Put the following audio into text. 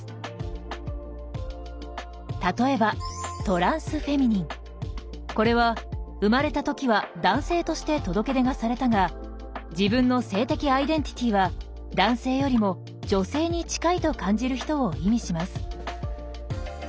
例えばこれは生まれた時は男性として届け出がされたが自分の性的アイデンティティーは男性よりも女性に近いと感じる人を意味します。